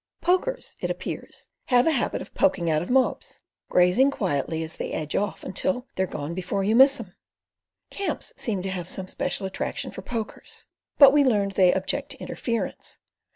"Pokers," it appears, have a habit of poking out of mobs, grazing quietly as they edge off until "they're gone before you miss 'em." Camps seem to have some special attraction for pokers, but we learned they object to interference.